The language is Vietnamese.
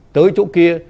tới chỗ kia